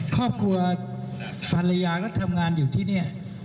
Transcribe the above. ครอบครัวภรรยาก็ทำงานอยู่ที่นี่